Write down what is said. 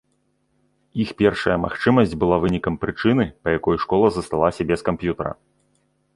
Іх першая магчымасць была вынікам прычыны па якой школа засталася без камп'ютара.